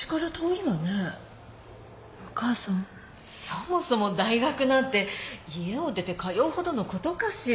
そもそも大学なんて家を出て通うほどのことかしら？